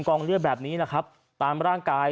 กองเลือดแบบนี้แหละครับตามร่างกาย